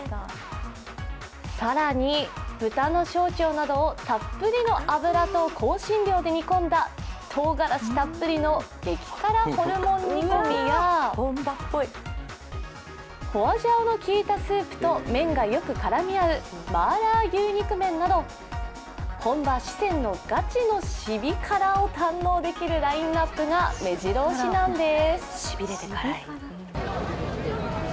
更に豚の小腸などをたっぷりの油と香辛料で煮込んだとうがらしたっぷりの激辛ホルモン煮込みや花椒の効いたスープと麺がよく絡み合うマーラー牛肉麺など本場・四川のガチのシビカラを堪能できるラインナップがめじろ押しです。